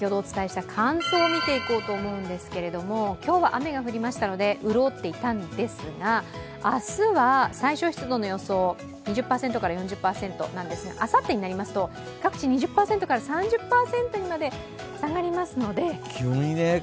最後に、乾燥をみていこうと思うんですけれども今日は雨が降りましたので潤っていたんですが明日は最小湿度の予想、２０％から４０％なんですが、あさってになりますと各地、２０％から３０％にまで下がります。